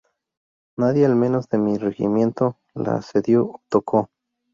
Nadie, al menos de mi regimiento, la asedió o tocó.